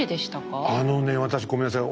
あのね私ごめんなさい。